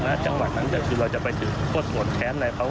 มาจังหวัดนั้นแต่คือเราจะไปถึงโฆษโกรธแท้นอะไร